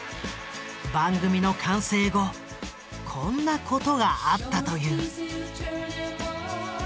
番組の完成後こんなことがあったという。